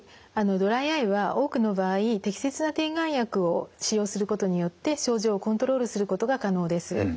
ドライアイは多くの場合適切な点眼薬を使用することによって症状をコントロールすることが可能です。